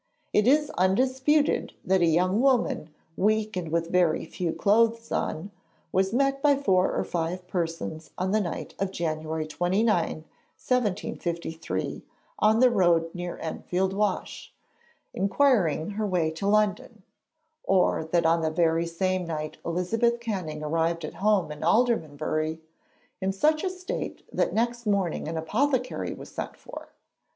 It is undisputed that a young woman, weak and with very few clothes on, was met by four or five persons on the night of January 29, 1753, on the road near Enfield Wash, inquiring her way to London, or that on the very same night Elizabeth Canning arrived at home in Aldermanbury, in such a state that next morning an apothecary was sent for.